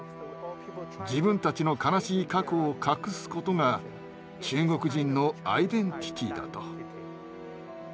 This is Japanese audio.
自分たちの悲しい過去を隠すことが中国人のアイデンティティーだと。